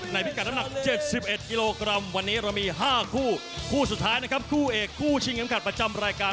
พิกัดน้ำหนัก๗๑กิโลกรัมวันนี้เรามี๕คู่คู่สุดท้ายนะครับคู่เอกคู่ชิงเข็มขัดประจำรายการ